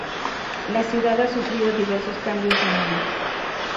La ciudad ha sufrido diversos cambios de nombre.